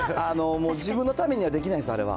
もう自分のためにはできないです、あれは。